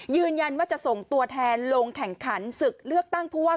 ยืนยันว่าจะส่งตัวแทนลงแข่งขันศึกเลือกตั้งผู้ว่า